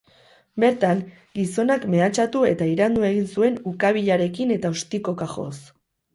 Bertan, gizonak mehatxatu eta iraindu egin zuen ukabilarekin eta ostikoka joz.